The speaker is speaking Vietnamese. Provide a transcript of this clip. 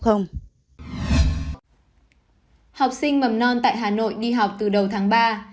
học sinh mầm non tại hà nội đi học từ đầu tháng ba